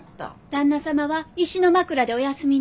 旦那様は石の枕でお休みに？